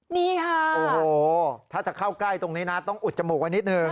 นี่ค่ะโอ้โหถ้าจะเข้าใกล้ตรงนี้นะต้องอุดจมูกไว้นิดหนึ่ง